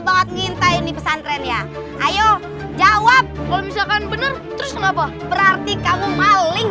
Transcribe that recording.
banget ngintai pesan tren ya ayo jawab kalau misalkan bener terus kenapa berarti kamu paling